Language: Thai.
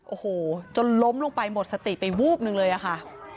โอ้โหจนล้มลงไปหมดสติไปวูบนึงเลยอะค่ะ